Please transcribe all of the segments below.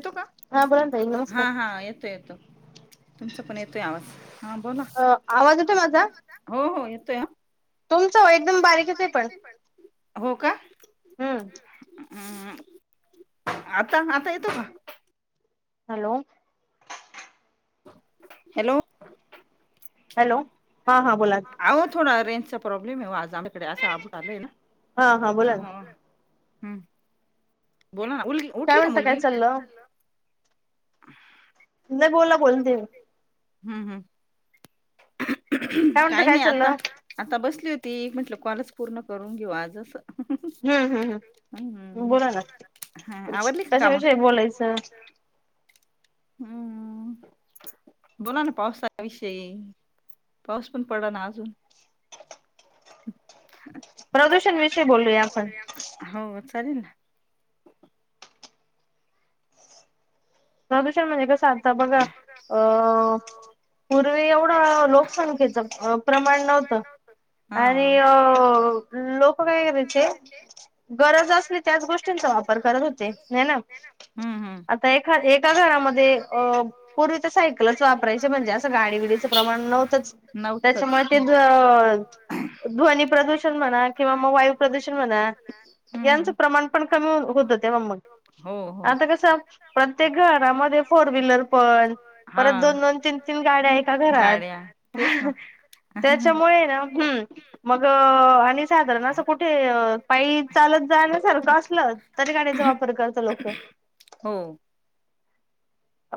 येतो हा बोला ना ताई नमस्कार. हा हा येतो येतो तुमच पण येतोय आवाज हा ब अ आवाज होता माझा हो हो येतो या. तुमचं एकदम बारीकच आहे पण हो का हम्म. हम्म आता आता येतो. हॅलो. हॅलो. हॅलो हां हां बोला. अह थोडा रेंजचा प्रॉब्लेम आहे आज आमकडे असं आबूट आलं आहे ना हा हा त्या बोला ना. हं. बोला ना. काय म्हणता काय चाललं. अ. तुझ नाही बोला बोल दे. हम् हम्. काय म्हणता काही काय नाही आता चाललं? आता बसली होती एक म्हटलं कॉलच पूर्ण करून घेऊ आज असं. हम्म हम्म हम् बोला हम्म ना हा आवरली का काम कशाविषयी बोलायचं. हम्म. बोला ना पावसाविषयी पाऊस पण पडला ना अजून [unintelligible] विषयी प्रदूषण बोलूया विशि आपण. बोलुया आपण हो चालेल ना. प्रदूषण म्हणजे कसं आता बघा अ पूर्वी एवढं लोकसंख्येचं प्रमाण नव्हतं. आणि हा अ लोक काय त्याचे गरज असणे त्याच गोष्टींचा वापर करत होते नाही ना हम्म हम्म. आता एक एका घरामध्ये पूर्वी तर सायकलच वापरायची म्हणजे असं गाडी विडीचं प्रमाण नव्हतंच. नव्हतच त्याच्यामुळे ते ध्वनी प्रदूषण म्हणा किंवा मग वायू प्रदूषण म्हणा यांचं हम्म प्रमाण पण कमी होत तेव्हा मग हो हो. आता कसं? प्रत्येक घरामध्ये फोर व्हीलर पण हा परत दोन दोन तीन तीन गाड्या एका घरात गाड्या तेच म त्याच्यामुळे ना हम् मग आणि साधारण असं कुठे पाई चालत जाण्यासारखं असलं तरी गाडीचा वापर करता लोक. हो.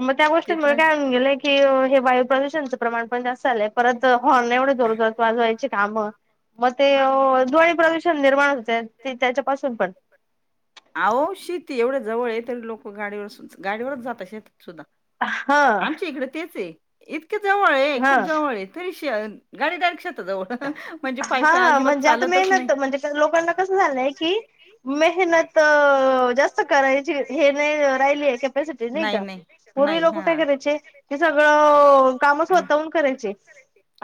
मग त्या ते तर गोष्टींमुळे आहेच. काय होवून गेलंय की हे वायू प्रदूषणचं प्रमाण पण जास्त झालंय. परत हॉर्न एवढे जोरजोरात वाजवायची कामं मग ते ध्वनी प्रदूषण निर्माण होते ते त्याच्यापासून पण. अहो शेती एवढं जवळ आहे तरी लोक गाडीवर गाडीवरच जातात शेतात सुद्धा. हा आमच्या इकडे तेच आहे इतक जवळ आहे हा खूप फॅशन गाडी डायरेक्ट शेता जवळ हा म्हणजे आता मेहनत म्हणजे लोकांना कसं झालंय की मेहनत जास्त करायची हे नाही राहिली आहे कॅपॅसिटी नाही का? पूर्वी लोक काय करायचे ते सगळं काम हा. स्वतःहुन करा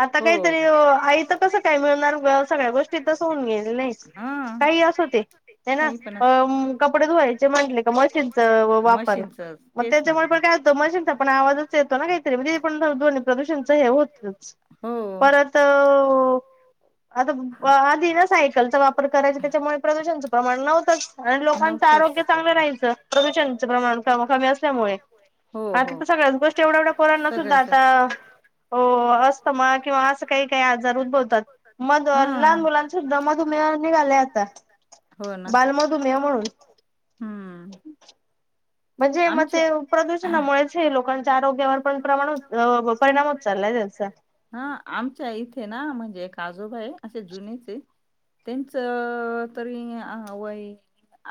आता हो. काहीतरी आयत कस. काय मिळणार सगळ्या गोष्टी तस होऊन गेल्या नाही हा काही अस होते. ते ना काही पण अ अस कपडे धुवायचे म्हटले का मशीनचा वापर. मशीनचच मग तेच ना त्याच्यामुळे पण काय होतं मशीनचा पण आवाजच येतो ना काहीतरी मग ते पण ध्वनी प्र प्रदूषणच हे होतच हो परत अं आता आधी ना सायकलचा वापर करायचा त्याच्यामुळे प्रदूषणचं प्रमाण नव्हतंच. आणि लोकांचं नव्हतच आरोग्य चांगलं राहायचं प्रदूषणाच प्रमाण क कमी असल्यामुळे. हो आता हो तर सगळ्याच गोष्ट एवढ्या एवढ्या पोरांना सुद्धा सगळ्याच आता हो अस्थमा किंवा असं काही काही आजार उद्भवतात. मध हा लहान मुलां सुद्धा मधुमेह निघालाय आता हो ना बाल मधुमेह म्हणून. हम्म म्हणजे मग ते आमच्या प्रदूषणामुळेच हे लोकांच्या आरोग्यावर पण प्रमाण परिणाम होत चाललायचा त्यांचा. हा आमच्या इथे ना म्हणजे एक आजोबायेत असे जुनेच ये. त्यांच तरी वय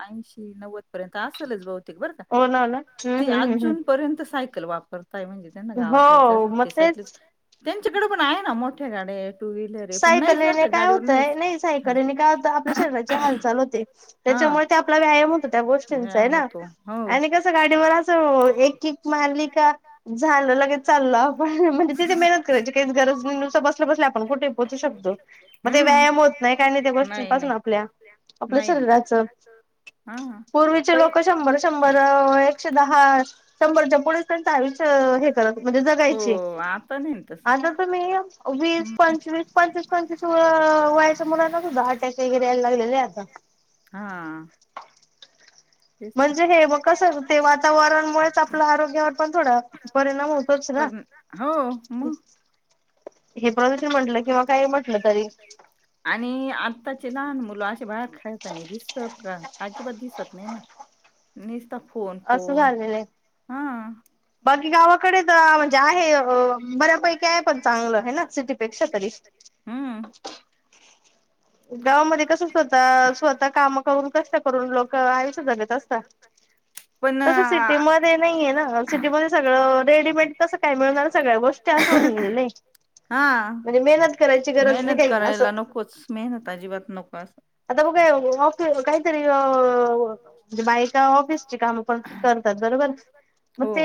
ऐंशी नव्वद पर्यंत असेलच बहुतेक बरं का. हो ना ना. ते हम्म हम्म हम्म अजून पर्यंत सायकल वापरताय म्हणजे त्यांना गावात जायचं हो असत ते मग सायकल तेच त्यांच्याकडे पण आहे ना मोठे गाड्या टू व्हीलर आहे पण नाहीच बरं सायकलीने का काय गाडीवर होतंय नाहीच नाही हा सायकलीने काय होत आपल्या शरीराची हालचाल होते. हा त्याच्यामुळे ते आपला व्यायाम होतो त्या गोष्टींचा व्यायाम आहे ना होतो हो आणि कस गाडी अस एक किक मारलिका झालं लगेच् चाललं आपण म्हणजेिथे मेहत करायची काही गरज नाही नुस बसल्या बसली आपण कुठे पोचू शकतो मग ते हम्म व्यायाम होत नाही काय नाही त्या गोष्टींपासून आपल्या. आपलं नाही ना शरीराच हा ह पहि शंभर शंभर एकशे दहा शंभरच्या पुढ त्यांच् आयुष्य हे मध्ये हो जगायचे आता नाही तस आता तुम्ही वीस पंचवीस पंचवीस पंचवीस व वयाच्या मुलांना सुद्धा अटॅक वगैरे यायला लागलेले आता. हा. तेच तर म्हणजे हे मग कसं ते वातावरणमुळेच आपल्या आरोग्यावर पण थोडं परिणाम होतोच ना. पण हो म? हे प्रदूषण म्हटलं किंवा काय म्हटलं तरी. आणि आत्ताचे लहान मुलं अशे बाहेर खेळतानी दिसत का अजिबात दिसत नाही ना. [inaudible] निस्ता फोन असं फोन झालेलं आहे हा. बाकी गावाकडे तर म्हणजे आहे बऱ्यापैकी आहे पण चांगलं आहे ना सिटीपेक्षा तरी. हम्म [inaudible] गावामध्येध्ये कस स्वत स्वतः काम करून कष्ट करून लोक आयुष्य जगत असता. [inaudible] पण. नाहीे ना सिटीमध्ये सगळं रेडीमेड तसं काय मिळणार सगळ्या गोष्टी अस होन गेले. हा नाही मेहनत काही असं करायला नकोच मेहनत अजिबात नको. आता बघ काय ऑफि काहीतरी अ म्हणजे बायका ऑफिसची कामं पण करतात बरोबर. मग हो ते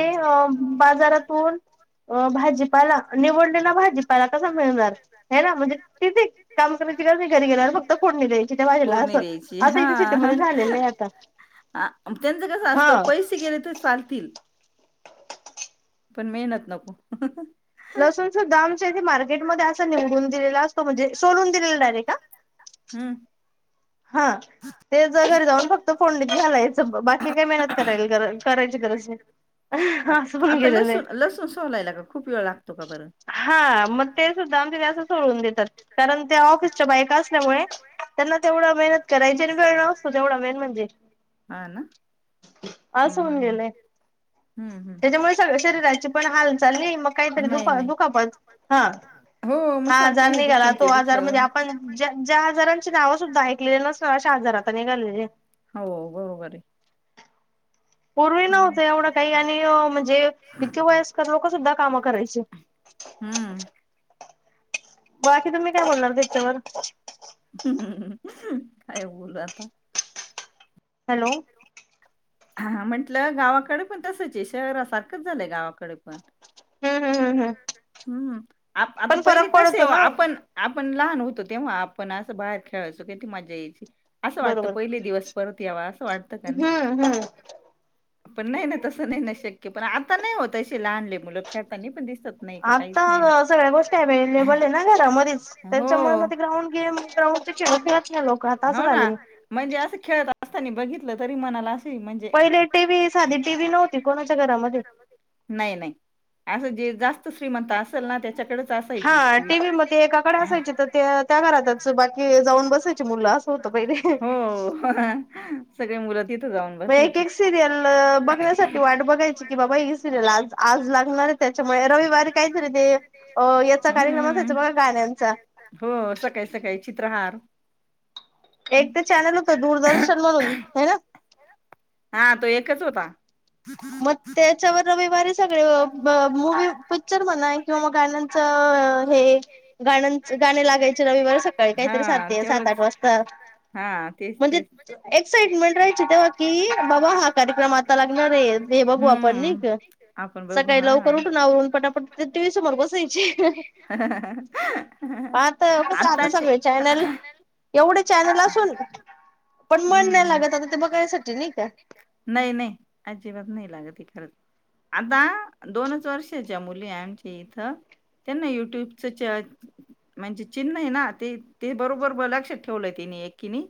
बाजारातून अ भाजीपाला निवडले ना भाजीपाला कसा मिळणार. ह ना म्हणजे तिच काम कण्याची गरज नाही घरी गेल्यावर फक्त कोोडणी द्यायची त्या भाजेला फोडणी असं. द्यायची आता इथे सिटीमध्येध्ये झालेलं आहे आता. हा त्यांचं कसं असतं हा पैसे घेणे ते चालतील. पण मेहनत नको. लसूणचं दम ज आहे मार्केटमध्ये असं निवडून दिलेला असतो म्हणजे सोलून दिलेला डायरेट का. हम्म. हा ते ज घर जाऊन फक्त फोंडीत झालायच बाकी काही मेहनत. करायला करायची गरज आहे. आत- पण आता गेलेलं लसूण लसूण सोलायला का खूप वेळ लागतो का बं हा मग ते सुद्धा आमच्या जास सोडून देतात कारण त्या ऑफिसच्या बायका असल्यामुळे. त्यांना तेवढा मेहनत करायची आणि वेळ न असतो तेवढा मेहन म्हणजे हा ना अस सं हम्म होन हम्म गेलेय. हम्म हम्म. त्याच्यामुळे सगळ शरीराची पण हालचालली मग काहीतरी नाही दुःख. नाही दुखापत हा हो मग हा सारखं आजार हे निघाला दुखलं तो ते दुखलं आजारमध्ये आपण. ज्या ज्या हजारांची नाव सुद्धा ऐकलेली नसणार अशा हजारातता निघालेले. हो बरोबर आहे. पूर्वी नव्हत हम्म एवढं काही आणि म्हणजे इतके वयस्कर लोक सुद्धा कामं करायचे. हम्म. बाकी तुम्ही काय बोलणार त्याच्यावर. ह काय बोलोल आता हॅलो. हा म्हंटलं गावाकडे पण तसंच शहरासारखंच झालंय गावाकडे पण हम्म हम्म हम्म हम्म हम्म आता पण पहिले फरक कसे पडतो ना आपण आपण लहान होतो तेव्हा आपण असं बाहेर खेळायचो क ती मजा यायची असं वाटतं बरोबर पहिले दिवस परती आवाज. हम्म हम्म पण नाही नाही तसं नाही ना शक्य पण आता नाही होत अस लहानले मुलं खेळता नाही पण दिसत. नाही का आता काहीच नाही ना सगळ्या गोष्टी अव्हेलेबल ना घरा मधच त्याच्यामुळे म हो ते ग्राउंड घे ग्राउंडचे खेळ खेळत नाही लोक आता असं हो ना झाले. म्हणजे असं खेळत असता बघितलं तरी मणाला अस. पहिले टीव्ही साधी टी व्ही नव्हती कोणाच्या घरामध्ये नाही नाही असं जे जास्त श्रीमंत असेल ना त्याच्याकडेच हा असायची टी व्ही म ते एकाकडे असायचे तर ते त्या घरातच बाकी जाऊन बसायची मुलं असं होतं पहिले हो. सगळे मुलं तिथे जाऊनघ म एक एक सिरियल बघण्यासाठी वाट बघायची की बाबा ही सिरियल आज आज लागणार त्याच्यामुळे रविवारी काहीतरी ते याचा कार्यक्रम असायचा बघा गाण्यांचा. हो सकाळी सकाळी चित्रहार एक ते चॅनल होतं दूरदर्शन म्हणून ह ना. हा तो एकच होता. मग त्याच्यावर रविवारी सगळे म मूवी पिक्चर म्हणा किंवा गाण्या च अ अ हे. गाण्यां गाणे लागायचे रविवारी सकाळी काहीतरी सात सात आठ वाजता हा ते म्हणजे एक्साइटमेंट राहायची तेव्हा की बाबा हा कार्यक्रम आता लागणारे. हे बघू आपण नाही का आपण बघू सकाळी हा लवकर उठून आवरून पटापट टी व्ही समोर बसायचे. कसं आता चे. सगळे चॅनल एवढे चॅनल असून पण मन नाही लागत आता ते बघायसाठी नाही का. नाही नाही अजिबात नाही लागत इकड. आता दोनच वर्षाच्या मुली आहे आमच्या इथं. त्यांना युट्युबच म्हणजे चिन्ह आहे ना ते ते बरोबर बर लक्षात ठेवलं तिने एक. कि नाही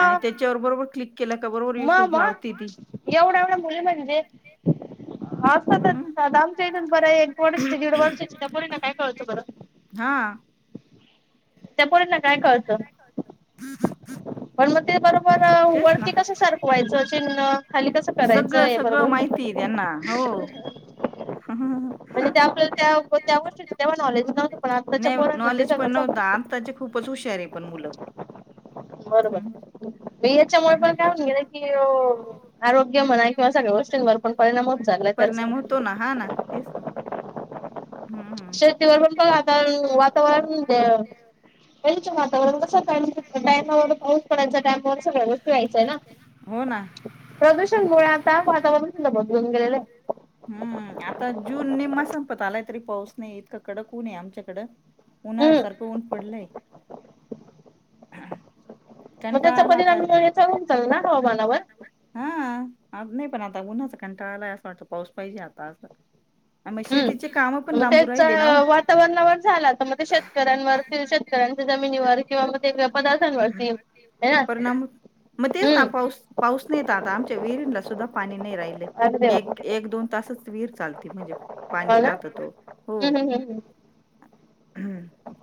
आणि त्याच्यावर बरोबर क्लिक केला का बरोबर म युट्यूब म लावते ती एवढा एवढ्या मुल म्हणजे. हम्म आमच्या इथून बरं एक वर्षची दीड वर्षाची त्या पोरीनां काय कळतो बरं. हा आआ. त्या पोरीनां काय कळत. [inaudible] पण मग ते बरोबर अ तेच ना वरती कसं सरकवायचं चिन्ह? खाली कसं सगळं करायचंय सगळं बरोबर. माहिती आहे त्यांना हो [unintelligible] नाही नॉलेज पण नव्हतं [unintelligible] आत्ताचे खूपच हुशार आहे पण मुलं. हम्म. बरोबरी हा याच्यामुळे हा. पण काय म्हण गेलं की आरोग्य म्हणाय. [unintelligible] परिणाम होतो ना हा ना तेच ना. हम्म हम्म शेतीवर पण पण वातावरण वातावरण. तेव्हाच वातावरण कसं टम टाईमावर पाऊस पडायचा टाईमावर सगळ व्यवस्थित व्हायचंय ना. होन. प्रदूषण मु आता वातावरण सु बदलून गेलेलं. हम्म आता जून नेमा संपत आलाय तरी पाऊस नाही इतक कडंक ऊन आहे आमच्याकडं. ऊन्हाळ्या हम्म सारखं ऊन पडलाय. [inaudible] कंटाळा आला आता [unintelligible] हा आज नाही पण आता उन्हाच कंटाळालाय असं वाटतं पाऊस पाहिजे आता असं. आ मग शेतीचे काम पण लांबू राहिले ना ओ. वरणावळ झाला तर मग ते शेतकऱ्यांवर शेतकऱ्यांच्या जमिनीवर किंवा म पदार्थांवरतील परिणाम मग तेच ना पाऊस पाऊस नाही तर आता आमच्या विहिरींला सुद्धा पाणी नाही राहिलंय. अगदी हो एक एक दोन तासच विहीर चालते म्हणजे पाणी ना राहात तो हो. हम्म हम्म हम्म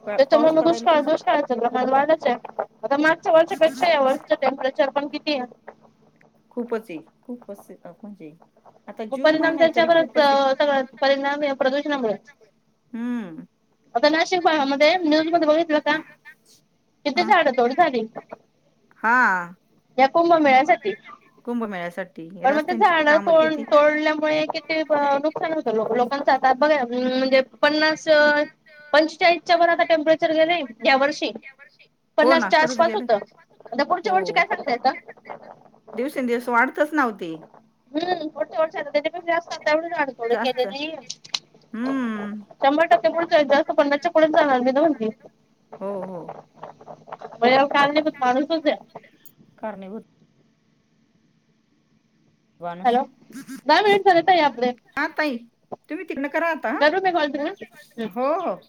पा- पाऊस पडायला पाहिजे [unintelligible] [unintelligible] खूपच आहे खूपच म्हणजे. आता मग जून परिणाम महिना आहे तरी त्याच्यावरच खूपच आहे. सगळ परिणाम प्रदूषणामुळेच. हम्म आता नाशिक भागामध्ये न्यूज मध्ये बघितलं का किती ह झाडं तोड झाली. हा आ. या कुंभमेळ्यासाठी कुंभमेळ्यासाठी. पण मग ते रस्त्यांची झाडड कामं किती तोडल्यामुळे किती नुकसान होतं लोकांचं आातात बघा म्हणजे. पन्नासच. पंचेचाळीस च्या वर आता टेम्परेचर गेलंय या वर्षी हो ना पन्नासच्या खरंच आसपास गेलंय होतं. आता पुढच्या हो. वर्षी काय सांगतायसा दिवसेंदिवस वाढतच ना ओ ती हूं पुढच्या वर्षी आता त्याच्यापेक्षा जास्त आता एवढं झाड पडलंय त्याच्या जास्त नी हम्म शंबर टक्के पुढच्या वेळेस जास्त पन्नाच्या पुढेच जाणार मी त म्हणते. हो हो. म याला कारणीभूत माणूसचं ये. कारणीभूत माणूस हॅलो दहा मिनिट झाले ताई आपले. हा ताई तुम्ही तिक्नं करा आता हा करू मी कॉल तुम्हाला? हो हो